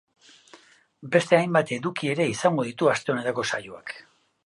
Beste hainbat eduki ere izango ditu aste honetako saioak.